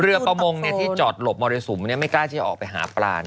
ประมงที่จอดหลบมรสุมไม่กล้าที่จะออกไปหาปลา